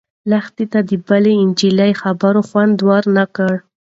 لښتې ته د بلې نجلۍ خبر خوند ورنه کړ.